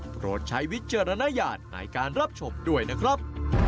โปรดใช้วิจารณญาณในการรับชมด้วยนะครับ